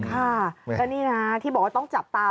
ค่ะแล้วนี่นะที่บอกว่าต้องจับตา